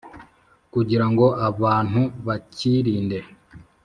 kugira ngo abantubakirinde.